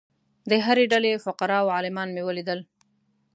د هرې ډلې فقراء او عالمان مې ولیدل.